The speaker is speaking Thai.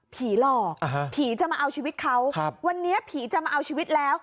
หลอกผีจะมาเอาชีวิตเขาวันนี้ผีจะมาเอาชีวิตแล้ว